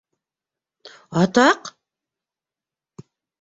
Атаҡ...